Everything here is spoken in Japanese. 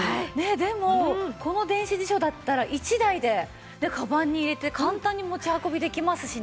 でもこの電子辞書だったら一台でかばんに入れて簡単に持ち運びできますしね。